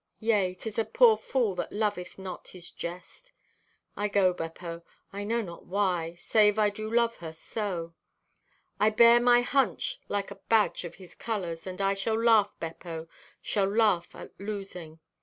Yea, 'tis a poor fool that loveth not his jest. "I go, Beppo; I know not why, save I do love her so. "I'll bear my hunch like a badge of His colors and I shall laugh, Beppo, shall laugh at losing.